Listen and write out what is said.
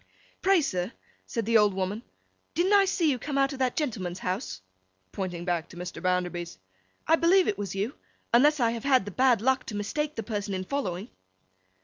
'Pray, sir,' said the old woman, 'didn't I see you come out of that gentleman's house?' pointing back to Mr. Bounderby's. 'I believe it was you, unless I have had the bad luck to mistake the person in following?